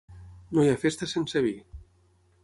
No hi ha festa sense vi.